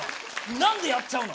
何でやっちゃうの？